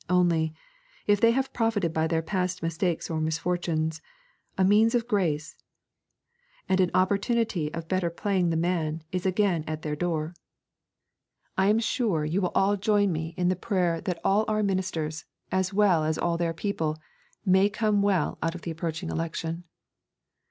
Only, if they have profited by their past mistakes or misfortunes, a means of grace, and an opportunity of better playing the man is again at their doors. I am sure you will all join with me in the prayer that all our ministers, as well as all their people, may come well out of the approaching election.